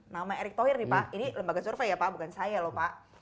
nama erick thohir nih pak ini lembaga survei ya pak bukan saya lho pak